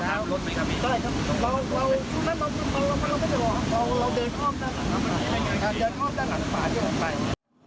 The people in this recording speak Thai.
ทั้งนี้ก็คงจะทำการเหมือนกันด้วยเลย